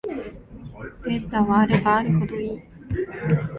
データはあればあるほどいい